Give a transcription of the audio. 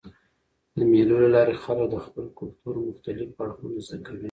د مېلو له لاري خلک د خپل کلتور مختلف اړخونه زده کوي.